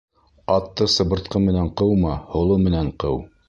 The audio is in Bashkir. Атты сыбыртҡы менән ҡыума, һоло менән ҡыу.